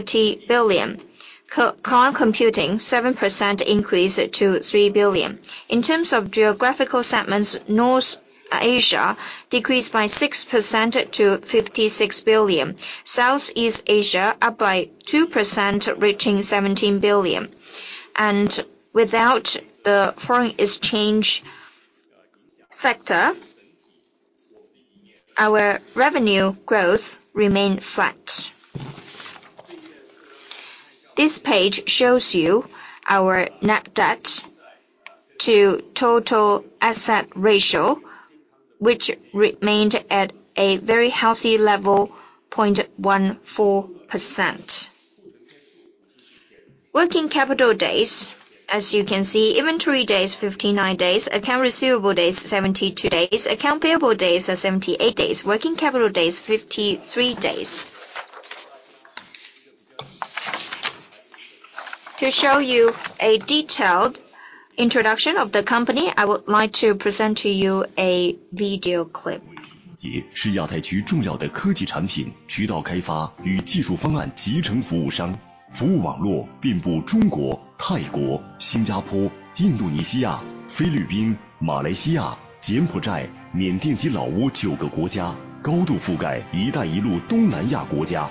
$30 billion. Consumer Electronics, cloud computing 7% increase to $3 billion. In terms of geographical segments, North Asia decreased by 6% to $56 billion. Southeast Asia up by 2%, reaching $17 billion. Without the foreign exchange factor, our revenue growth remained flat. This page shows you our net debt to total asset ratio, which remained at a very healthy level 0.14. Working capital days, as you can see, inventory days, 59 days, account receivable days, 72 days, account payable days are 78 days, working capital days, 53 days. To show you a detailed introduction of the company, I would like to present to you a video clip. 是亚太区重要的科技产品、渠道开发与技术方案集成服务商，服务网络遍布中国、泰国、新加坡、印度尼西亚、菲律宾、马来西亚、柬埔寨、缅甸及老挝九个国家，高度覆盖一带一路东南亚国家。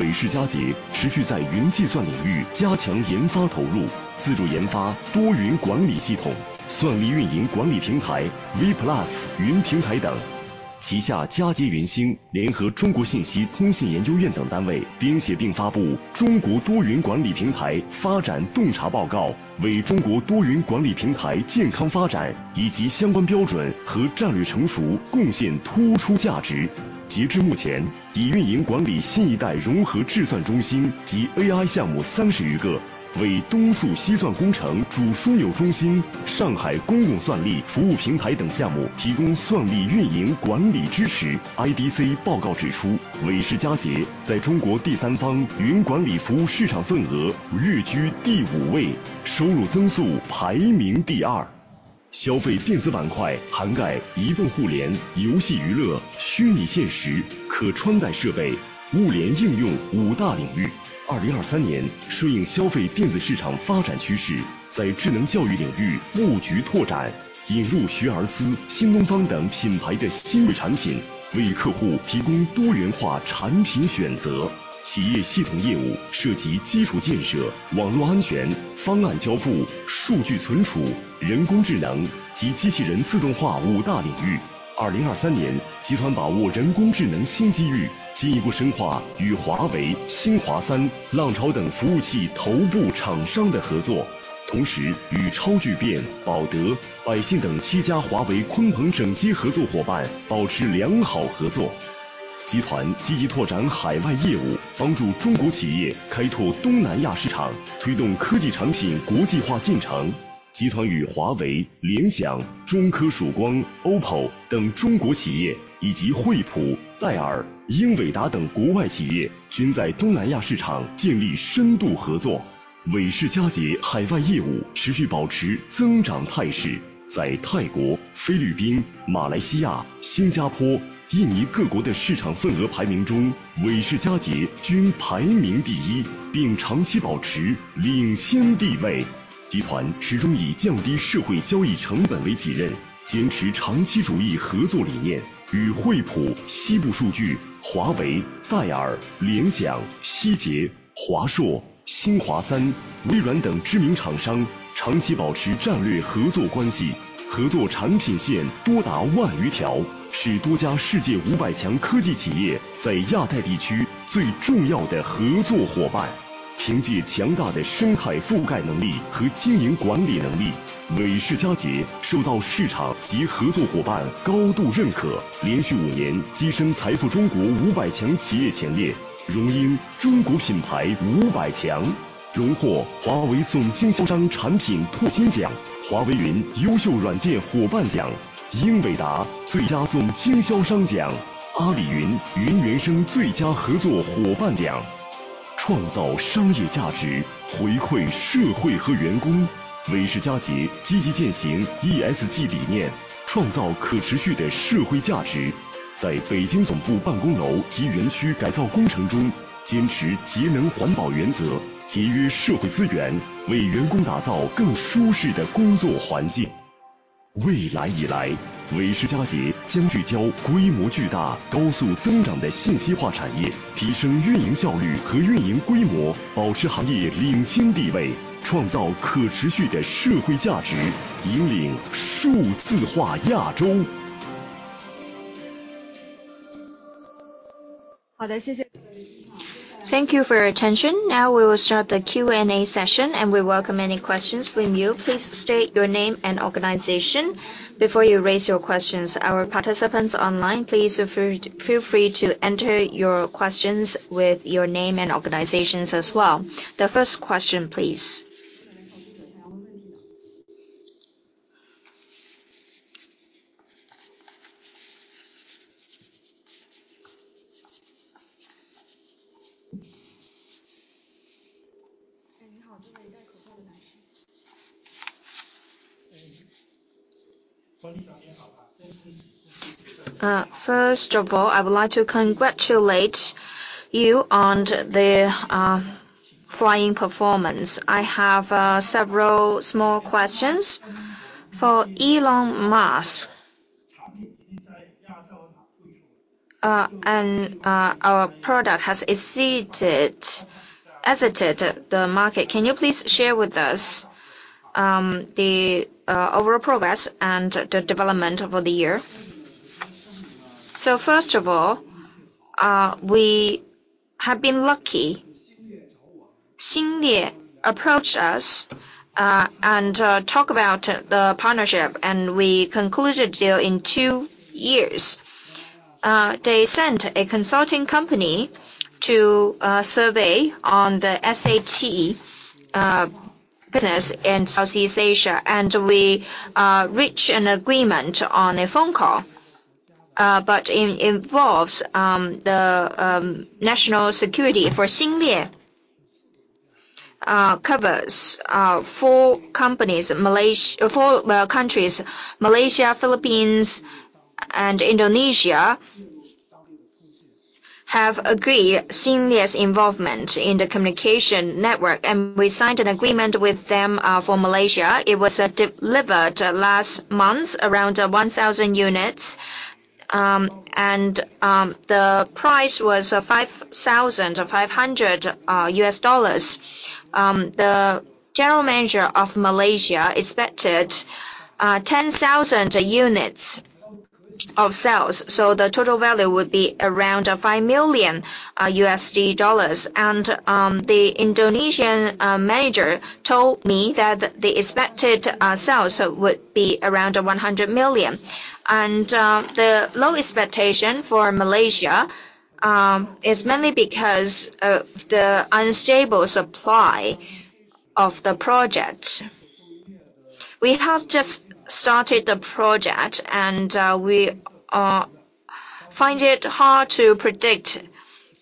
伟世佳杰持续在云计算领域加强研发投入，自主研发多云管理系统、算力运营管理平台、V Plus云平台等。旗下佳洁云星联合中国信息通信研究院等单位编写并发布《中国多云管理平台发展洞察报告》，为中国多云管理平台健康发展以及相关标准和战略成熟贡献突出价值。Thank you for your attention. Now we will start the Q&A session, and we welcome any questions from you. Please state your name and organization before you raise your questions. Our participants online, please feel free to enter your questions with your name and organizations as well. The first question, please. First of all, I would like to congratulate you on the finanicial performance. I have several small questions. For Elon Musk, and our product has exceeded, exited the market. Can you please share with us the overall progress and the development over the year? So first of all, we have been lucky. Xinglie approached us, and talk about the partnership, and we concluded a deal in two years. They sent a consulting company to survey on the satellite business in Southeast Asia, and we reached an agreement on a phone call, but it involves the national security for Xinglie. Covers four companies, four countries: Malaysia, Philippines, and Indonesia, have agreed Xinglie's involvement in the communication network, and we signed an agreement with them for Malaysia. It was delivered last month, around one thousand units. And the price was $5,500. The general manager of Malaysia expected ten thousand units of sales, so the total value would be around $5 million. And the Indonesian manager told me that the expected sales would be around $100 million. And the low expectation for Malaysia is mainly because of the unstable supply of the project. We have just started the project, and we find it hard to predict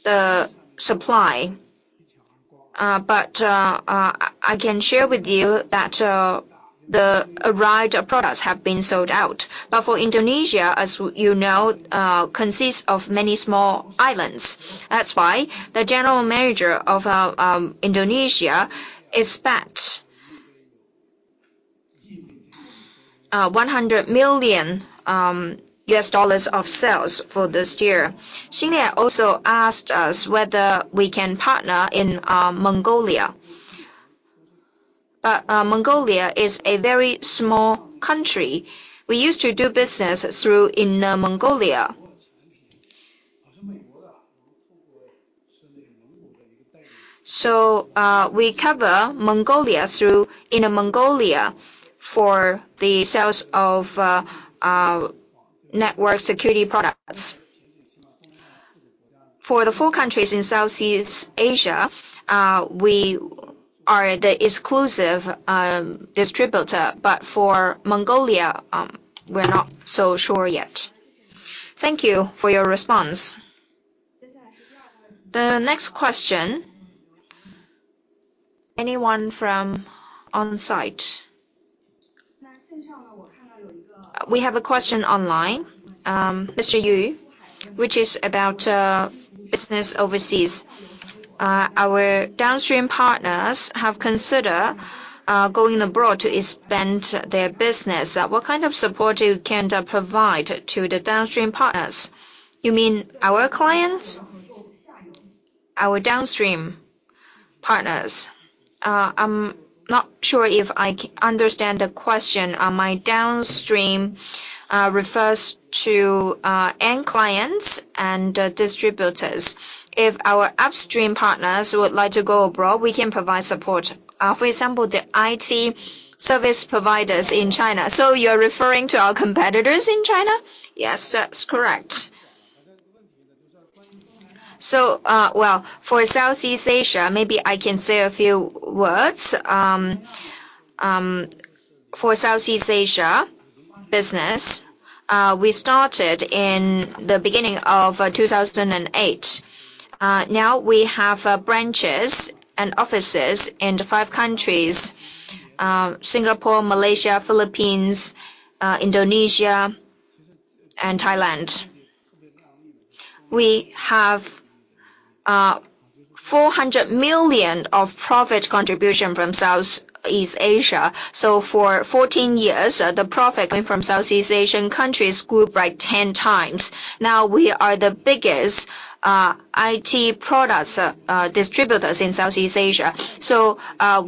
the supply. But I can share with you that the arrived products have been sold out. But for Indonesia, as you know, consists of many small islands. That's why the general manager of Indonesia expect $100 million of sales for this year. Xinglie also asked us whether we can partner in Mongolia. But Mongolia is a very small country. We used to do business through Inner Mongolia. So we cover Mongolia through Inner Mongolia for the sales of network security products. For the four countries in Southeast Asia, we are the exclusive distributor, but for Mongolia, we're not so sure yet. Thank you for your response. The next question, anyone from on-site? We have a question online, Mr. Yu, which is about business overseas. Our downstream partners have considered going abroad to expand their business. What kind of support you can provide to the downstream partners? You mean our clients? Our downstream partners. I'm not sure if I understand the question. My downstream refers to end clients and distributors. If our upstream partners would like to go abroad, we can provide support. For example, the IT service providers in China. So you're referring to our competitors in China? Yes, that's correct. So, for Southeast Asia, maybe I can say a few words. For Southeast Asia business, we started in the beginning of 2008. Now we have branches and offices in the five countries: Singapore, Malaysia, Philippines, Indonesia, and Thailand. We have $400 million of profit contribution from Southeast Asia. So for fourteen years, the profit coming from Southeast Asian countries grew by ten times. Now, we are the biggest IT products distributors in Southeast Asia. So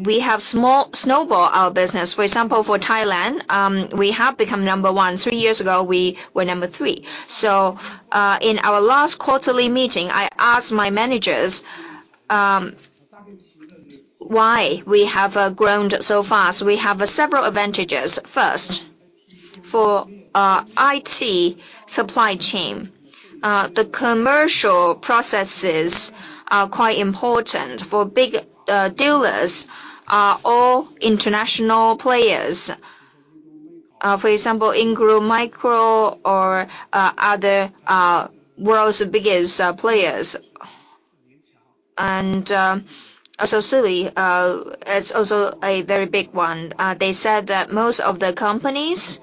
we have snowball our business. For example, for Thailand, we have become number one. Three years ago, we were number three. So in our last quarterly meeting, I asked my managers why we have grown so fast? We have several advantages. First, for our IT supply chain, the commercial processes are quite important. For big dealers are all international players. For example, Ingram Micro or other world's biggest players. And so Synnex is also a very big one. They said that most of the companies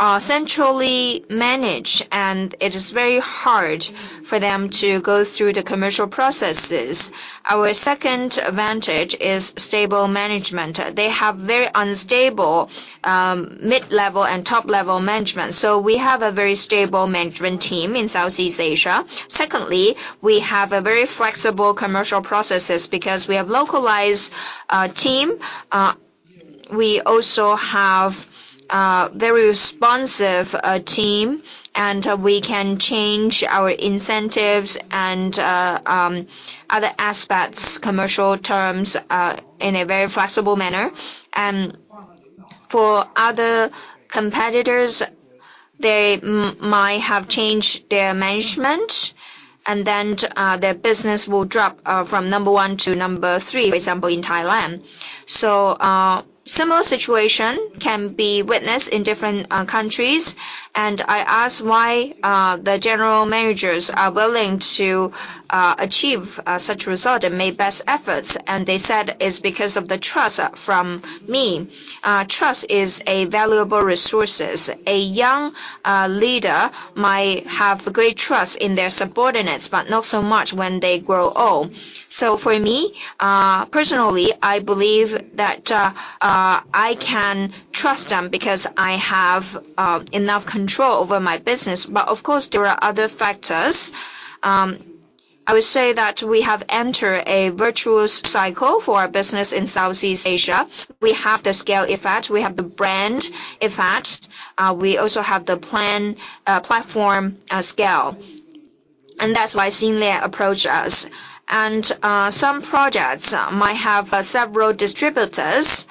are centrally managed, and it is very hard for them to go through the commercial processes. Our second advantage is stable management. They have very unstable mid-level and top-level management, so we have a very stable management team in Southeast Asia. Secondly, we have a very flexible commercial processes because we have localized team. We also have very responsive team, and we can change our incentives and other aspects, commercial terms, in a very flexible manner. And for other competitors, they might have changed their management, and then their business will drop from number one to number three, for example, in Thailand. So similar situation can be witnessed in different countries. And I ask why the general managers are willing to achieve such result and make best efforts, and they said it's because of the trust from me. Trust is a valuable resources. A young leader might have great trust in their subordinates, but not so much when they grow old. So for me, personally, I believe that I can trust them because I have enough control over my business. But of course, there are other factors. I would say that we have entered a virtuous cycle for our business in Southeast Asia. We have the scale effect, we have the brand effect, we also have the plan, platform scale, and that's why Xinliao approached us. And some projects might have several distributors,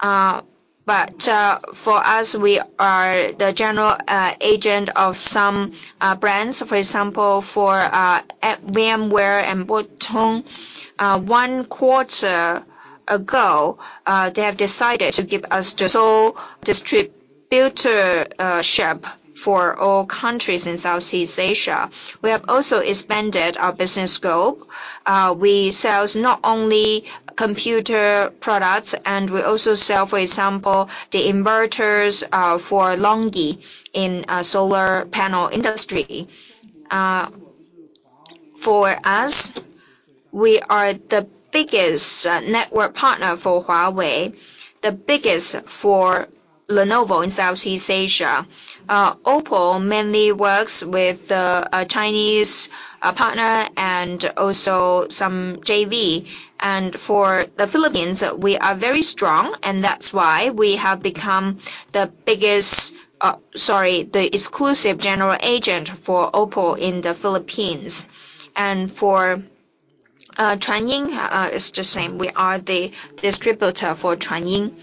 but for us, we are the general agent of some brands. For example, for VMware and Broadcom, one quarter ago, they have decided to give us the sole distributorship for all countries in Southeast Asia. We have also expanded our business scope. We sell not only computer products, and we also sell, for example, the inverters for LONGi in solar panel industry. For us, we are the biggest network partner for Huawei, the biggest for Lenovo in Southeast Asia. OPPO mainly works with a Chinese partner and also some JV. And for the Philippines, we are very strong, and that's why we have become the biggest, sorry, the exclusive general agent for OPPO in the Philippines. And for Transsion, it's the same. We are the distributor for Transsion.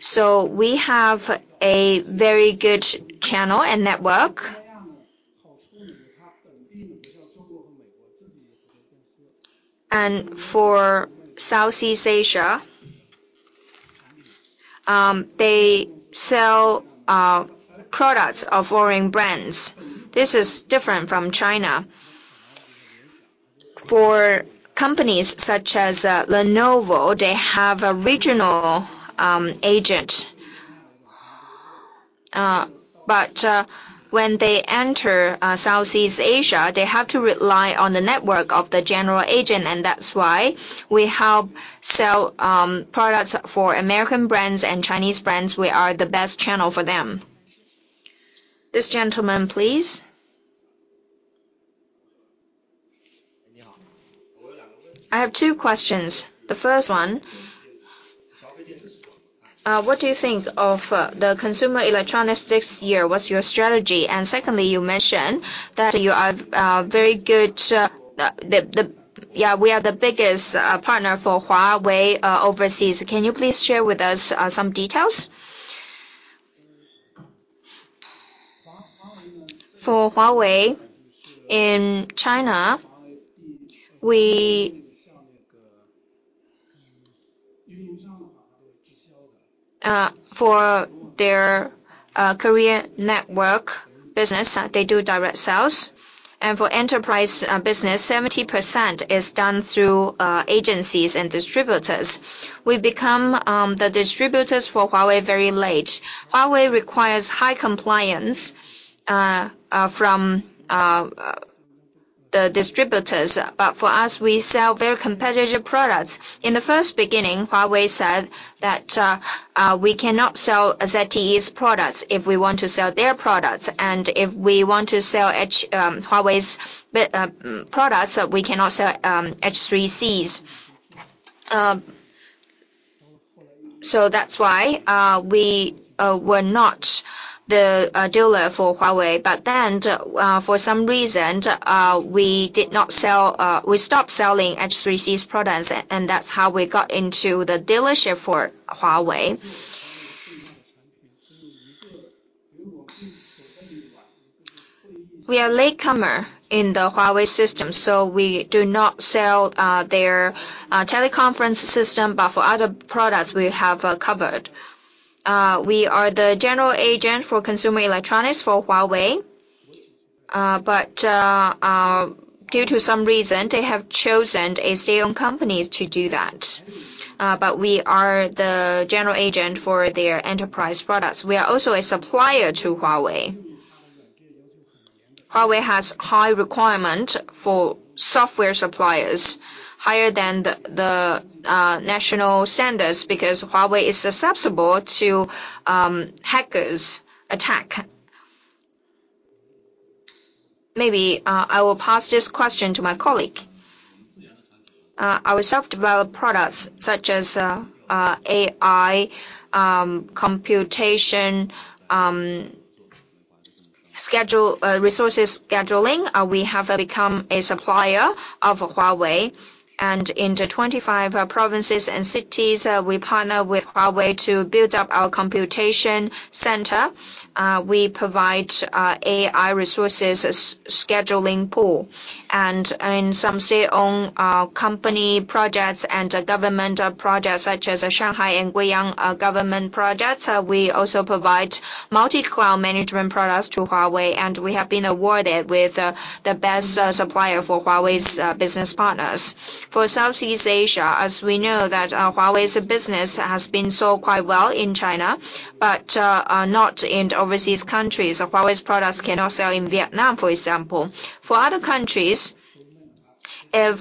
So we have a very good channel and network. And for Southeast Asia, they sell products of foreign brands. This is different from China. For companies such as Lenovo, they have a regional agent. But when they enter Southeast Asia, they have to rely on the network of the general agent, and that's why we help sell products for American brands and Chinese brands. We are the best channel for them. This gentleman, please. I have two questions. The first one, what do you think of the consumer electronics this year? What's your strategy? And secondly, you mentioned that you are very good, the we are the biggest partner for Huawei overseas. Can you please share with us some details? For Huawei, in China, for their career network business, they do direct sales, and for enterprise business, 70% is done through agencies and distributors. We become the distributors for Huawei very late. Huawei requires high compliance from the distributors. But for us, we sell very competitive products. In the first beginning, Huawei said that we cannot sell ZTE's products if we want to sell their products, and if we want to sell Huawei's products, we cannot sell H3C's. So that's why we were not the dealer for Huawei. But then, for some reason, we did not sell, we stopped selling H3C's products, and that's how we got into the dealership for Huawei. We are a latecomer in the Huawei system, so we do not sell their teleconference system, but for other products we have covered. We are the general agent for consumer electronics for Huawei. But due to some reason, they have chosen a state-owned company to do that. But we are the general agent for their enterprise products. We are also a supplier to Huawei. Huawei has high requirement for software suppliers, higher than the national standards, because Huawei is susceptible to hackers' attack. Maybe I will pass this question to my colleague. Our self-developed products, such as AI, computation, schedule, resources scheduling, we have become a supplier of Huawei. And in the twenty-five provinces and cities, we partner with Huawei to build up our computation center. We provide AI resources scheduling pool. And in some state-owned company projects and government projects such as Shanghai and Guiyang government projects, we also provide multi-cloud management products to Huawei, and we have been awarded with the best supplier for Huawei's business partners. For Southeast Asia, as we know, that Huawei's business has been sold quite well in China, but not in the overseas countries. Huawei's products cannot sell in Vietnam, for example. For other countries, if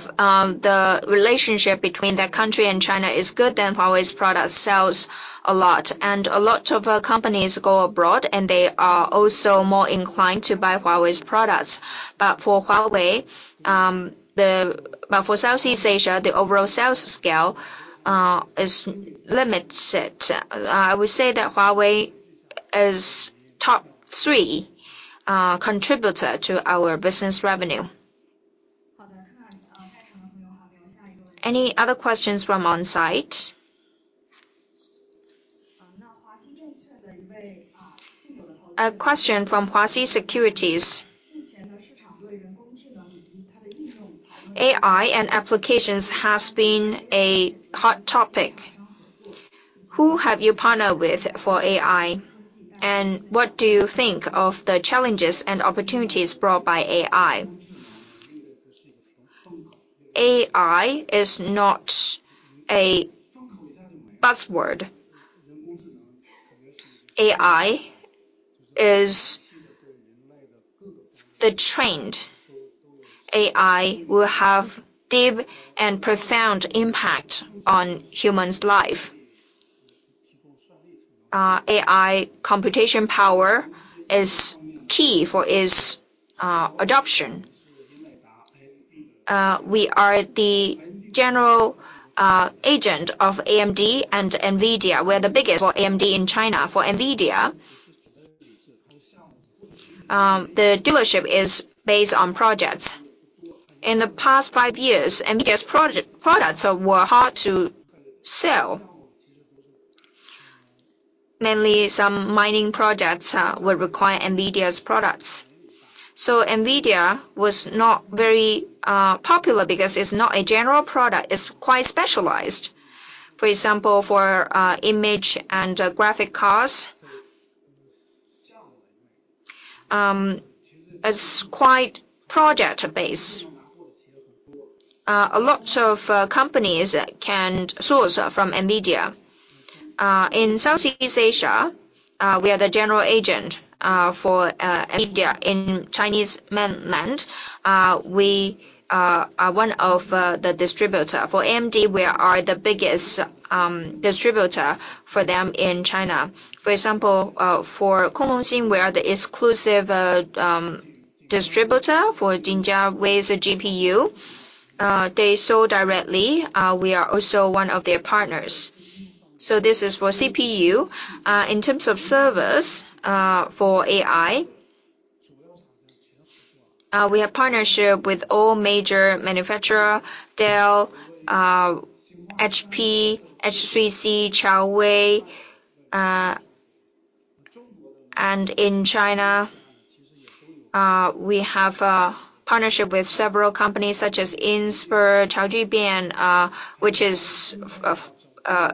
the relationship between that country and China is good, then Huawei's product sells a lot. And a lot of companies go abroad, and they are also more inclined to buy Huawei's products. But for Huawei, but for Southeast Asia, the overall sales scale is limited. I would say that Huawei is top three contributor to our business revenue. Any other questions from on-site? A question from Huaxi Securities. AI and applications has been a hot topic. Who have you partnered with for AI, and what do you think of the challenges and opportunities brought by AI? AI is not a buzzword. AI is the trend. AI will have deep and profound impact on humans' life. AI computation power is key for its adoption. We are the general agent of AMD and NVIDIA. We're the biggest for AMD in China. For NVIDIA, the dealership is based on projects. In the past five years, NVIDIA's products were hard to sell, mainly some mining products would require NVIDIA's products. So NVIDIA was not very popular because it's not a general product, it's quite specialized. For example, for image and graphic cards, it's quite project-based. A lot of companies can source from NVIDIA. In Southeast Asia, we are the general agent for NVIDIA. In Chinese mainland, we are one of the distributor. For AMD, we are the biggest distributor for them in China. For example, for Kunlun, we are the exclusive distributor. For Jingjia, with GPU, they sell directly, we are also one of their partners. So this is for CPU. In terms of service, for AI, we have partnership with all major manufacturer, Dell, HP, H3C, Chaowei. And in China, we have a partnership with several companies such as Inspur, Chao Jibian, which is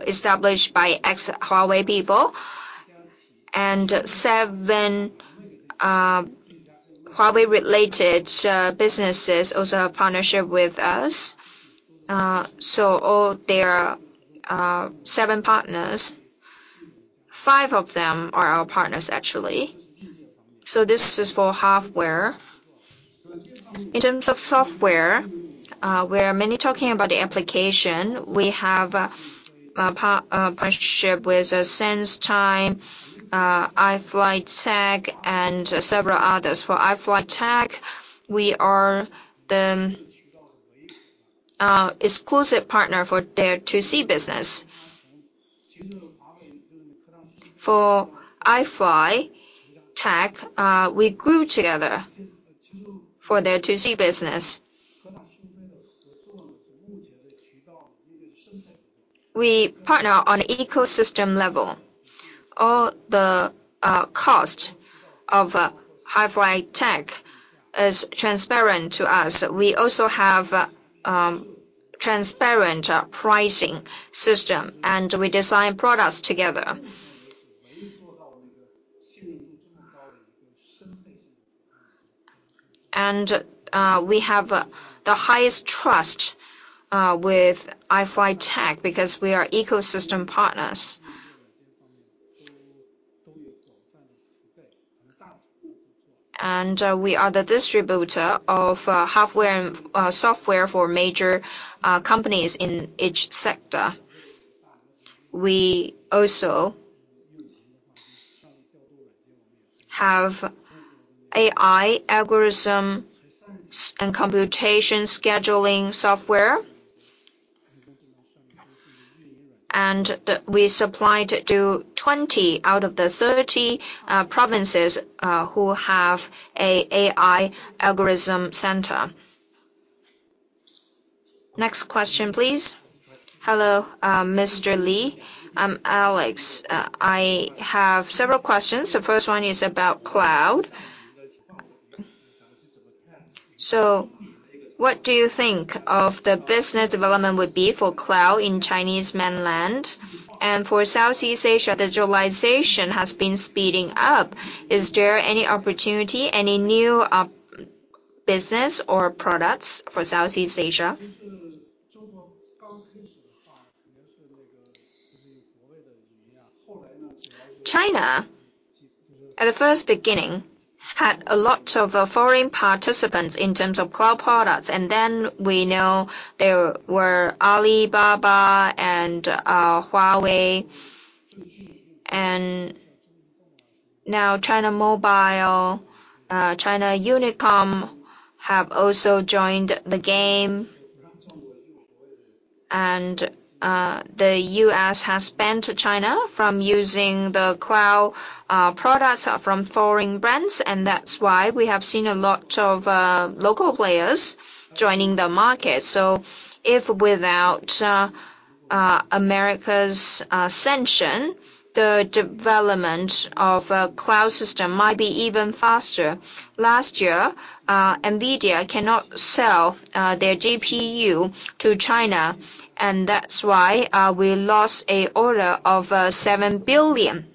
established by ex-Huawei people, and seven Huawei-related businesses also have partnership with us. So all their seven partners, five of them are our partners, actually. So this is for hardware. In terms of software, we are mainly talking about the application. We have a partnership with SenseTime, iFlytek, and several others. For iFlytek, we are the exclusive partner for their to C business. For iFlytek, we grew together for their to C business. We partner on ecosystem level. All the cost of iFlytek is transparent to us. We also have transparent pricing system, and we design products together. And we have the highest trust with iFlytek because we are ecosystem partners. And we are the distributor of hardware and software for major companies in each sector. We also have AI algorithm and computation scheduling software. And we supplied to twenty out of the thirty provinces who have a AI algorithm center. Next question, please. Hello, Mr. Lee, I'm Alex. I have several questions. The first one is about cloud. So what do you think of the business development would be for cloud in Chinese mainland? And for Southeast Asia, digitalization has been speeding up. Is there any opportunity, any new business or products for Southeast Asia? China, at the first beginning, had a lot of foreign participants in terms of cloud products, and then we know there were Alibaba and Huawei. And now, China Mobile, China Unicom, have also joined the game, and the US has banned China from using the cloud products from foreign brands, and that's why we have seen a lot of local players joining the market. So if without America's sanction, the development of cloud system might be even faster. Last year, NVIDIA cannot sell their GPU to China, and that's why we lost a order of $7 billion.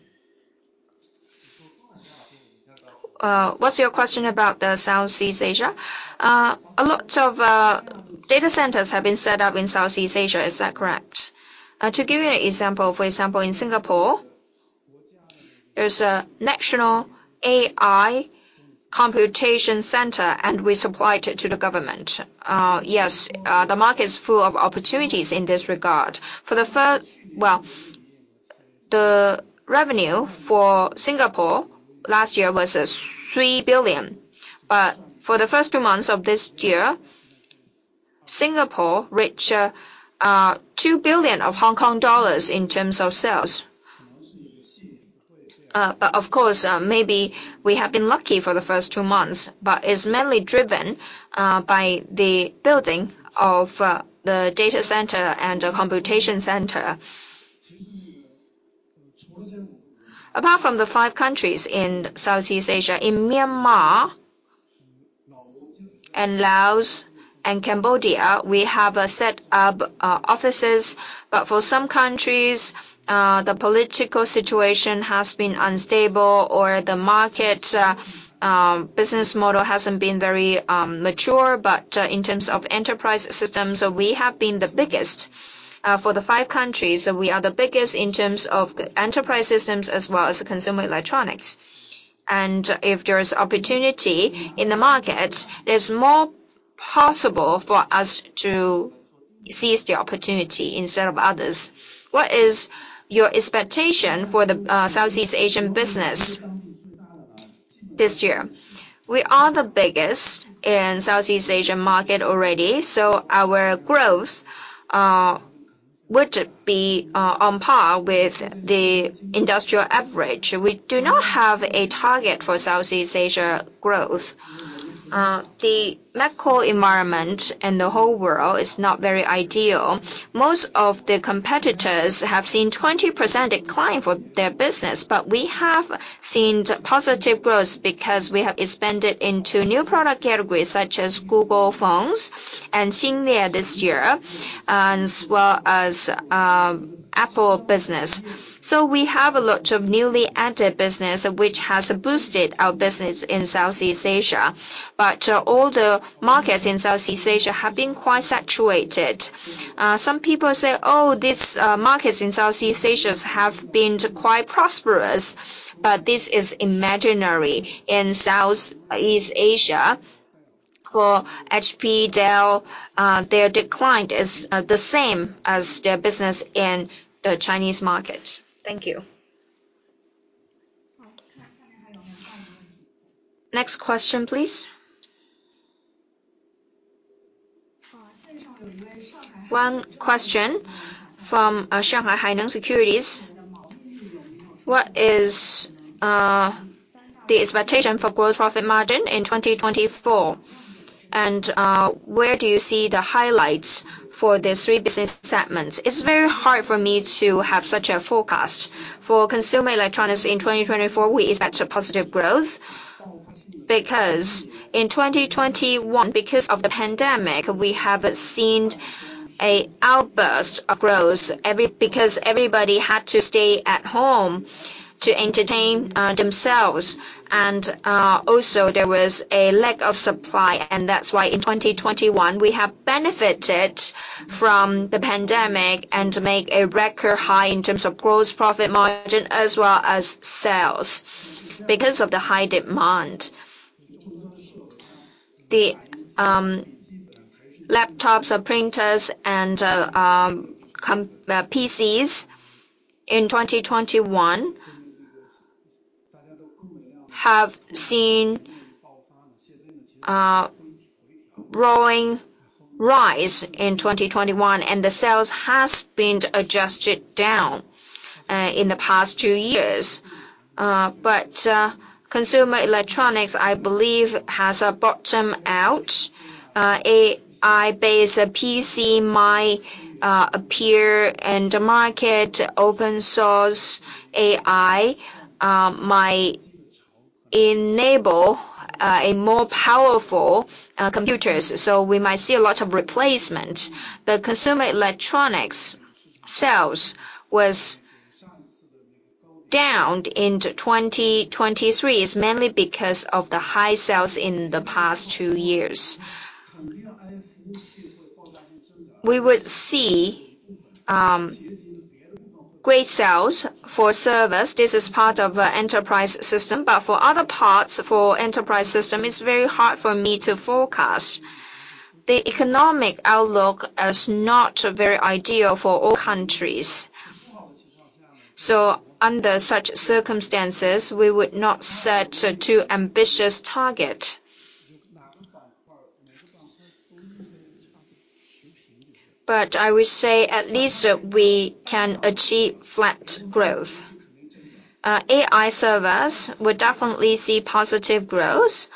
What's your question about the Southeast Asia? A lot of data centers have been set up in Southeast Asia, is that correct? To give you an example, for example, in Singapore, there's a national AI computation center, and we supplied it to the government. Yes, the market is full of opportunities in this regard. For the first, the revenue for Singapore last year was $3 billion. But for the first two months of this year, Singapore reached HK$2 billion in terms of sales. But of course, maybe we have been lucky for the first two months, but it's mainly driven by the building of the data center and the computation center. Apart from the five countries in Southeast Asia, in Myanmar, and Laos, and Cambodia, we have set up offices. But for some countries, the political situation has been unstable or the market business model hasn't been very mature. But in terms of enterprise systems, we have been the biggest. For the five countries, we are the biggest in terms of enterprise systems as well as consumer electronics. And if there is opportunity in the market, it's more possible for us to seize the opportunity instead of others. What is your expectation for the Southeast Asian business this year? We are the biggest in Southeast Asian market already, so our growth would be on par with the industrial average. We do not have a target for Southeast Asia growth. The macro environment in the whole world is not very ideal. Most of the competitors have seen 20% decline for their business, but we have seen positive growth because we have expanded into new product categories such as Google Phones and Xinglia this year, and as well as Apple business. So we have a lot of newly added business, which has boosted our business in Southeast Asia. But all the markets in Southeast Asia have been quite saturated. Some people say, "Oh, these markets in Southeast Asia have been quite prosperous," but this is imaginary. In Southeast Asia, for HP, Dell, their decline is the same as their business in the Chinese market. Thank you. Next question, please. One question from Shanghai Haining Securities: What is the expectation for gross profit margin in 2024? And where do you see the highlights for the three business segments? It's very hard for me to have such a forecast. For consumer electronics in 2024, we expect a positive growth. Because in 2021, because of the pandemic, we have seen a outburst of growth every, because everybody had to stay at home to entertain themselves. And also there was a lack of supply, and that's why in 2021, we have benefited from the pandemic and make a record high in terms of gross profit margin, as well as sales. Because of the high demand, the laptops, printers, and PCs in 2021 have seen growing rise in 2021, and the sales has been adjusted down in the past two years. But consumer electronics, I believe, has a bottom out. AI-based PC might appear in the market. Open source AI might enable a more powerful computers, so we might see a lot of replacement. The consumer electronics sales was down into 2023, is mainly because of the high sales in the past two years. We would see great sales for service. This is part of enterprise system, but for other parts, for enterprise system, it's very hard for me to forecast. The economic outlook is not very ideal for all countries. So under such circumstances, we would not set a too ambitious target. But I would say at least, we can achieve flat growth. AI servers will definitely see positive growth,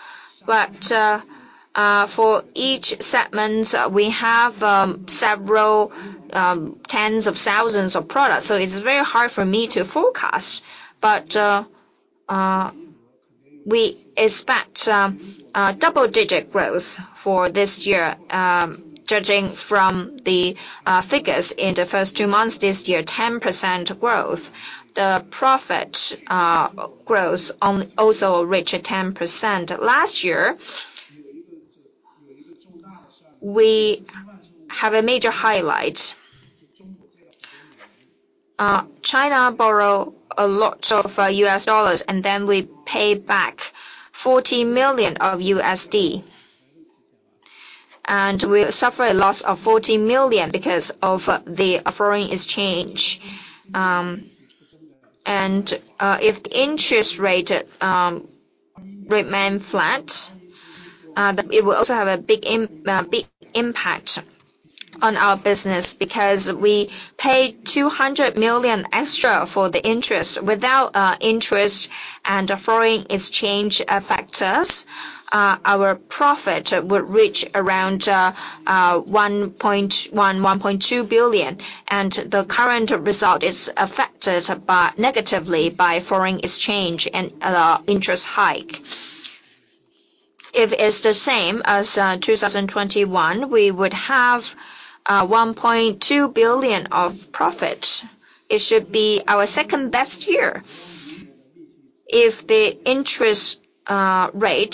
but for each segment, we have several tens of thousands of products, so it's very hard for me to forecast. But we expect a double-digit growth for this year. Judging from the figures in the first two months this year, 10% growth, the profit growth also reached 10%. Last year, we have a major highlight. China borrow a lot of US dollars, and then we pay back $40 million, and we suffer a loss of $40 million because of the foreign exchange. And if interest rate remain flat, then it will also have a big impact on our business because we pay $200 million extra for the interest. Without interest and the foreign exchange effects us, our profit would reach around $1.1, $1.2 billion, and the current result is affected by, negatively by foreign exchange and interest hike. If it's the same as 2021, we would have $1.2 billion of profit. It should be our second-best year. If the interest rate